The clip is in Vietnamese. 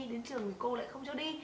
đến trường rồi cô lại không cho đi